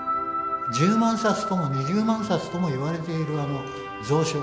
１０万冊とも２０万冊とも言われているあの蔵書。